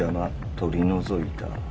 取り除いた」。